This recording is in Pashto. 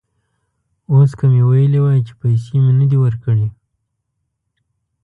اوس که مې ویلي وای چې پیسې مې نه دي ورکړي.